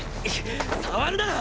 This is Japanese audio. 触るな！